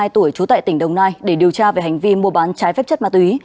hai mươi tuổi trú tại tỉnh đồng nai để điều tra về hành vi mua bán trái phép chất ma túy